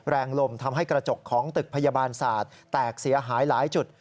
แรงลมทำให้กระจกของตึกพยาบาลศาสตร์แตกเสียหายหลายจุด